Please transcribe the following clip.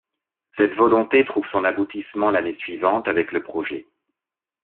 Cette volonté trouve son aboutissement l'année suivante avec le projet '.